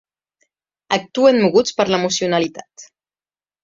Actuen moguts per l’emocionalitat.